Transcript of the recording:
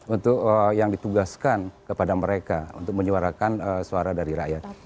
untuk yang ditugaskan kepada mereka untuk menyuarakan suara dari rakyat